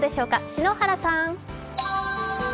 篠原さん。